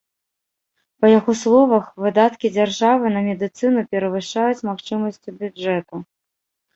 Па яго словах, выдаткі дзяржавы на медыцыну перавышаюць магчымасцю бюджэту.